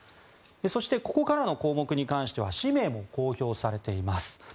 そしてここからの項目に関しては氏名も公表されています。